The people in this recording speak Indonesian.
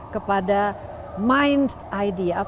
kepada mind ideas